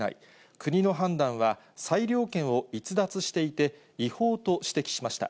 国の判断は裁量権を逸脱していて違法と指摘しました。